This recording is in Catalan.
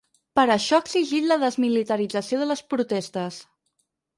Per això ha exigit la desmilitarització de les protestes.